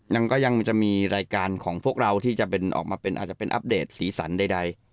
ก็ยังจะมีรายการของพวกเราที่จะเป็นออกมาเป็นอาจจะเป็นอัปเดตสีสันใด